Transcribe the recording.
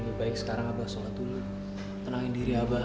lebih baik sekarang abah sholat dulu tenangin diri abah